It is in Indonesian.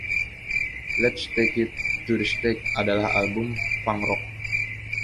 "Let's Take It to the Stage" adalah album funk rock.